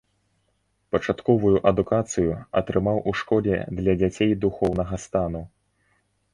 Пачатковую адукацыю атрымаў у школе для дзяцей духоўнага стану.